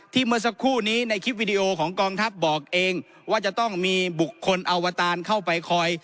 เมื่อสักครู่นี้ในคลิปวิดีโอของกองทัพบอกเองว่าจะต้องมีบุคคลอวตารเข้าไปคอย